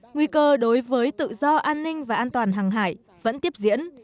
nguy cơ đối với tự do an ninh và an toàn hàng hải vẫn tiếp diễn